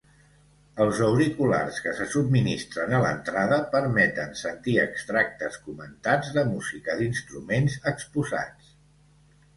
Els auriculars que se subministren a l'entrada permeten sentir extractes comentats de música d'instruments exposats.